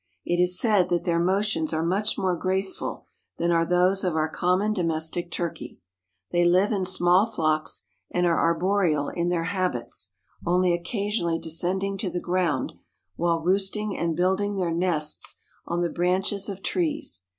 It is said that their motions are much more graceful than are those of our common domestic turkey. "They live in small flocks, and are arboreal in their habits, only occasionally descending to the ground, while roosting and building their nests on the branches of trees."